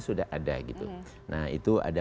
sudah ada gitu nah itu ada